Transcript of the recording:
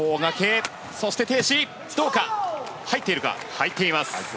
入っています。